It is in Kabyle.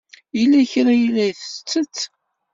Yella kra ay la tettett.